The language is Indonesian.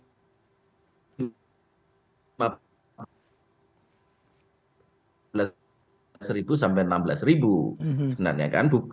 rp lima belas sampai rp enam belas